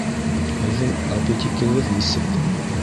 Һеҙҙең аппетитығыҙ нисек?